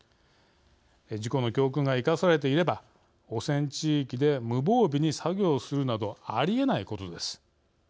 事故の教訓が生かされていれば汚染地域で無防備に作業するなどありえないことです。